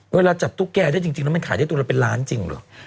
เวลาจับตุ๊กแกได้จริงแล้วมันขายได้ตัวละเป็นล้านจริงเหรอ